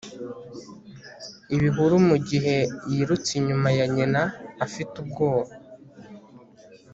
ibihuru mugihe yirutse inyuma ya nyina, afite ubwoba